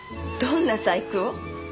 どんな細工を？